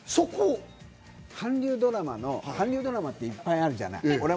韓流ドラマの、韓流ドラマっていっぱいあるじゃない。